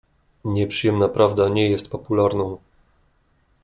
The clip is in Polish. "Nieprzyjemna prawda nie jest popularną."